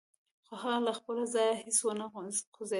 خو هغه له خپل ځايه هېڅ و نه خوځېده.